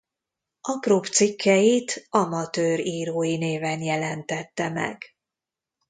Apróbb cikkeit Amatőr írói néven jelentette meg.